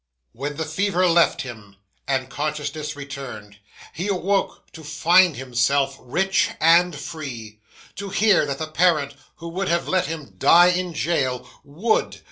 'When the fever left him, and consciousness returned, he awoke to find himself rich and free, to hear that the parent who would have let him die in jail would!